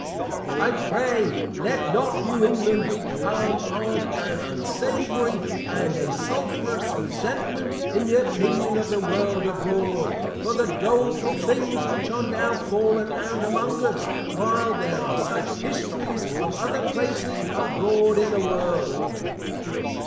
I pray, let not New England become of an Unsavoury and a Sulphurous Resentment in the Opinion of the World abroad, for the Doleful things which are now fallen out among us, while there are such Histories of other places abroad in the World.